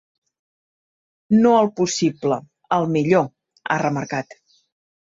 No el possible, el millor, ha remarcat.